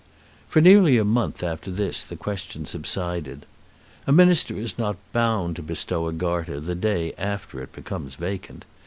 For nearly a month after this the question subsided. A Minister is not bound to bestow a Garter the day after it becomes vacant.